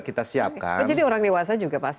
kita siapkan nah jadi orang dewasa juga pasti